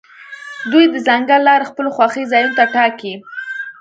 دوی د ځنګل لارې خپلو خوښې ځایونو ته ټاکي